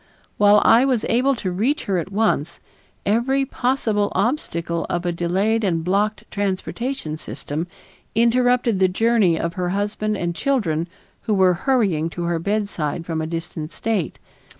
While I was able to reach her at once, every possible obstacle of a delayed and blocked transportation system interrupted the journey of her husband and children who were hurrying to her bedside from a distant state.